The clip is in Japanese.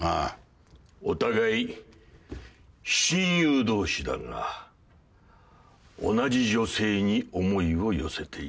お互い親友同士だが同じ女性に思いを寄せている。